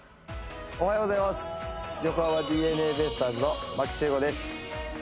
おはようございます横浜ＤｅＮＡベイスターズの牧秀悟です